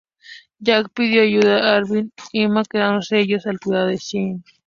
Jack pidió ayuda a Arvin y Emily quedándose ellos al cuidado de Sydney.